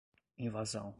invasão